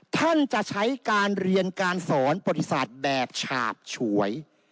ท่านจะใช้การเรียนการสอนประวัติศาสตร์แบบฉาบฉวย